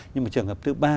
nhưng mà trường hợp thứ ba